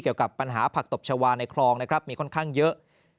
เกี่ยวกับปัญหาผักตบชาวาในคลองนะครับมีค่อนข้างเยอะ